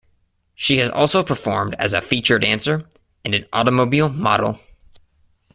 She has also performed as a feature dancer and an automobile model.